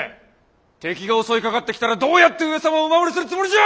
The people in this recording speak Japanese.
敵が襲いかかってきたらどうやって上様をお守りするつもりじゃ！